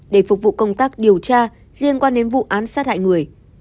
để phục vụ công tác điều tra liên quan đến vụ án sát hại người